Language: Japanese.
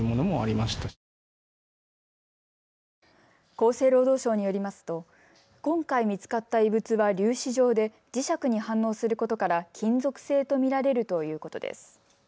厚生労働省によりますと今回、見つかった異物は粒子状で磁石に反応することから金属製と見られるということです。